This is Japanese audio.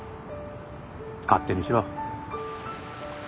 勝手にしろ。